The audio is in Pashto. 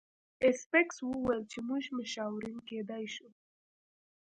ایس میکس وویل چې موږ مشاورین کیدای شو